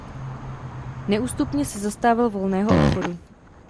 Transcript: Neústupně se zastával volného obchodu.